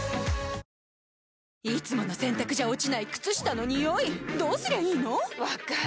いつもの洗たくじゃ落ちない靴下のニオイどうすりゃいいの⁉分かる。